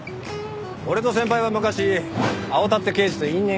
俺と先輩は昔青田って刑事と因縁がありまして。